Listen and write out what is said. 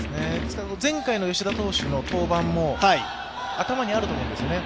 前回の吉田投手の登板も頭にあると思うんですね。